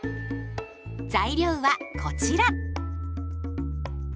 材料はこちら。